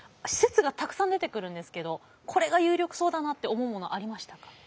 説がたくさん出てくるんですけどこれが有力そうだなって思うものはありましたか？